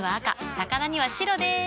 魚には白でーす。